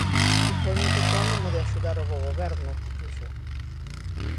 "Supoño que co ánimo de axudar ao bo goberno", dixo.